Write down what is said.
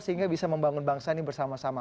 sehingga bisa membangun bangsa ini bersama sama